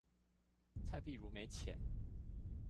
蔡璧如沒錢